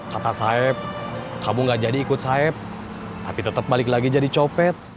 kata saeb kamu gak jadi ikut saeb tapi tetep balik lagi jadi copet